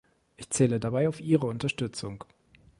Ich zähle dabei auf Ihre Unterstützung!